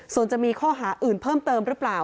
ส่วนจะมีข้อหาอื่นเพิ่มเติมหรือเปล่า